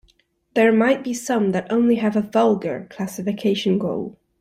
There might be some that only have a vulgar classification goal.